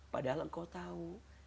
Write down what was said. padahal engkau tahu